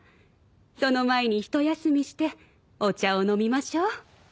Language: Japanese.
その前に一休みしてお茶を飲みましょう。